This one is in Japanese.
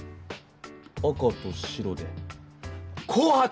赤と白でこう白？